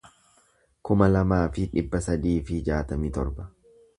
kuma lamaa fi dhibba sadii fi jaatamii torba